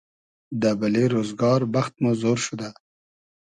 دۂ بئلې رۉزگار بئخت مۉ زۉر شودۂ